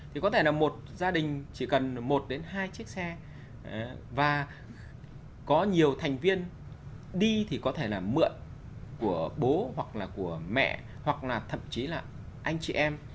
thì có thể là một gia đình chỉ cần một đến hai chiếc xe và có nhiều thành viên đi thì có thể là mượn của bố hoặc là của mẹ hoặc là thậm chí là anh chị em